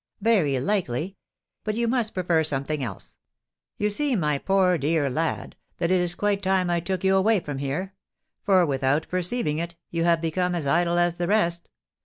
"Very likely; but you must prefer something else. You see, my poor dear lad, that it is quite time I took you away from here; for, without perceiving it, you have become as idle as the rest.